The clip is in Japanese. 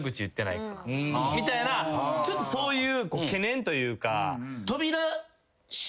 みたいなそういう懸念というか。